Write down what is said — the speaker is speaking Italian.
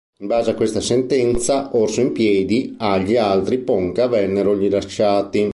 In base a questa sentenza Orso in Piedi a gli altri Ponca vennero rilasciati.